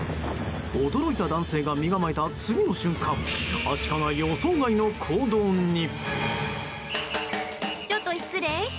驚いた男性が身構えた次の瞬間アシカが予想外の行動に。